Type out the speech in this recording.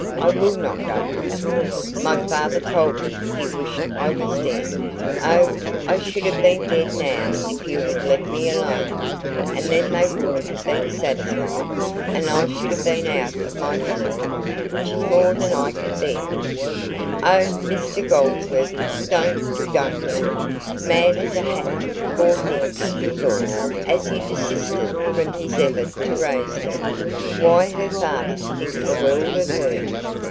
I will not go home! My father told me he wished I was dead. Oh, I should have been dead now if you had left me alone, and then they would have been satisfied, and I should have been out of my misery, which is more than I can bear. Oh, Mr Goldsworthy, don't don't!" "Mad as a hatter, poor thing," he thought, as he desisted from his effort to raise her. "Why, her father thinks the world of her!"